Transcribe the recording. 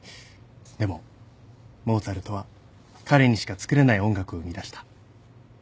でもモーツァルトは彼にしかつくれない音楽を生み出した。